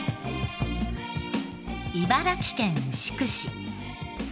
茨城県牛久市。